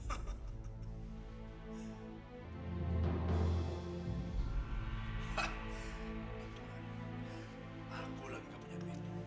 aku yang bikin penyakit